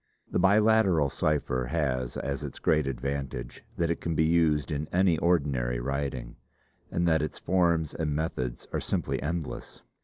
The Biliteral cipher has as its great advantage, that it can be used in any ordinary writing, and that its forms and methods are simply endless.